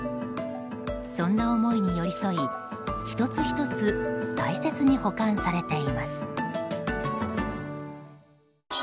そんな思いに寄り添い１つ１つ大切に保管されています。